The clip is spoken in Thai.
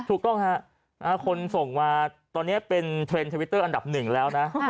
ถูกต้องฮะคนส่งมาตอนนี้เป็นเทรนด์ทวิตเตอร์อันดับหนึ่งแล้วนะ